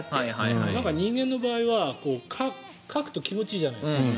人間の場合はかくと気持ちいいじゃないですか。